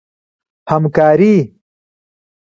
همکاري